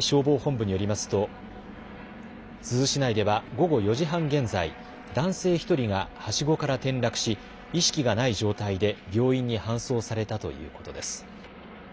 消防本部によりますと珠洲市内では午後４時半現在、男性１人がはしごから転落し意識がない状態で病院に搬送されたということです。